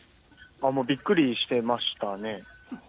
もうびっくりしていましたね。